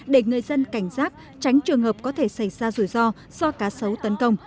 để người dân cảnh giác tránh trường hợp có thể xảy ra rủi ro do cá sấu tấn công